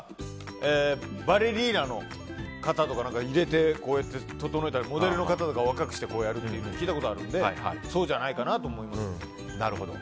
バレリーナの方とか入れて整えたりモデルの方とか若くしてやるって聞いたことがあるのでそうじゃないかなと思います。